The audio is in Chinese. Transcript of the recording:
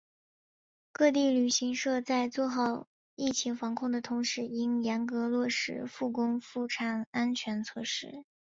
各地旅行社在做好疫情防控的同时应严格落实复工复产安全措施